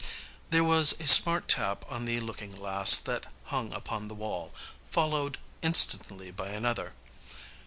There was a smart tap on the looking glass that hung upon the wall, followed instantly by another.